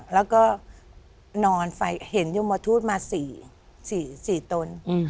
แล้วก็นอนไปเห็นยมทูตมา๔ตน